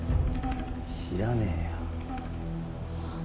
知らねえよはあ？